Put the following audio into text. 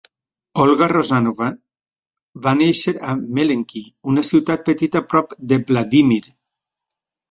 Olga Rózanova va néixer a Mélenki, una ciutat petita prop de Vladímir.